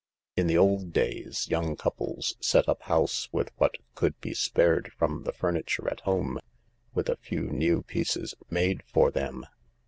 " Li the old days young couples set up house with what could be spared from the furniture at home with a few new pieces made for them.